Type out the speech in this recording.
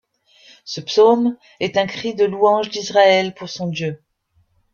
Ce psaume est un cri de louange d'Israël pour son Dieu.